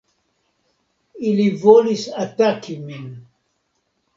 Ili volis ataki min.